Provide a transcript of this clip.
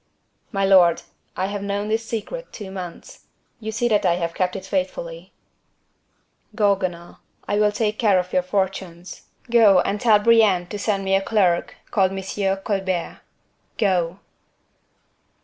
"My lord, I have known this secret two months; you see that I have kept it faithfully." "Go, Guenaud; I will take care of your fortunes; go, and tell Brienne to send me a clerk called M. Colbert. Go!"